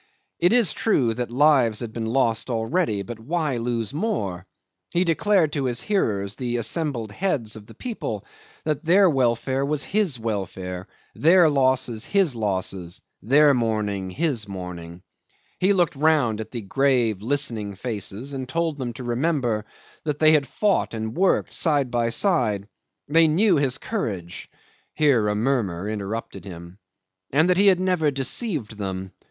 It is true that lives had been lost already, but why lose more? He declared to his hearers, the assembled heads of the people, that their welfare was his welfare, their losses his losses, their mourning his mourning. He looked round at the grave listening faces and told them to remember that they had fought and worked side by side. They knew his courage ... Here a murmur interrupted him ... And that he had never deceived them.